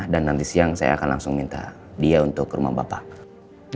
dan nanti siang saya akan langsung minta dia untuk ke rumah bapak